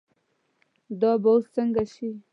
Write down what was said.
دا به اوس څنګه شي.